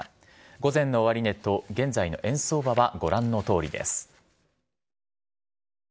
午前の終値と現在の円相場はご覧のとおりです。